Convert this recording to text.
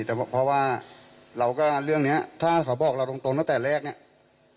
แต่เพราะว่าเราก็เรื่องนี้ถ้าเขาบอกเราตรงตั้งแต่แรกเนี่ย